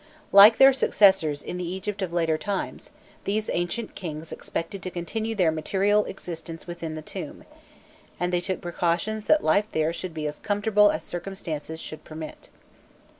Like their successors in the Egypt of later times, these ancient kings expected to continue their material existence within the tomb, and they took precautions that life there should be as comfortable as circumstances should permit.